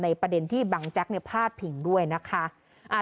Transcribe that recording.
ประเด็นที่บังแจ๊กพาดพิงด้วยนะคะ